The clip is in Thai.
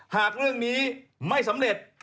หากเรื่องนี้ไม่สำเร็จ